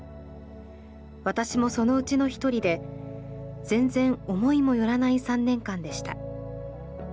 私もそのうちの１人で全然思いもよらない３年間でした。